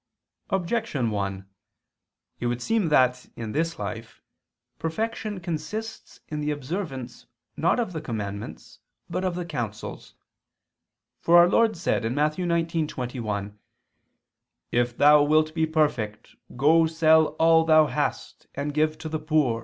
Objection 1: It would seem that, in this life, perfection consists in the observance not of the commandments but of the counsels. For our Lord said (Matt. 19:21): "If thou wilt be perfect, go sell all [Vulg.: 'what'] thou hast, and give to the poor